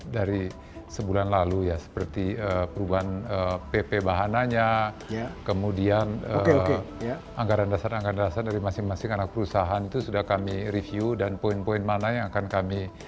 dari sebulan lalu ya seperti perubahan pp bahananya kemudian anggaran dasar anggaran dasar dari masing masing anak perusahaan itu sudah kami review dan poin poin mana yang akan kami